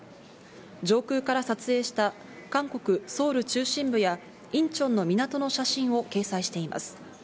上空から撮影した韓国・ソウル中心部や、インチョンの港の写真を掲載しています。